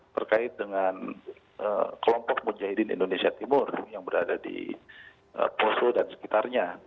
terkait dengan kelompok mujahidin indonesia timur yang berada di poso dan sekitarnya